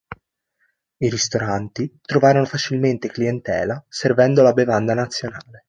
I ristoranti trovarono facilmente clientela servendo la bevanda nazionale.